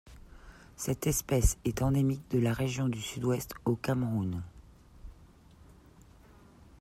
Cette espèce est endémique de la région du Sud-Ouest au Cameroun.